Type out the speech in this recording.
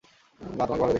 না, তোমাকে ভালোই দেখায়।